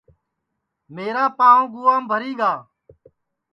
میرا پانٚو گُام بھری گا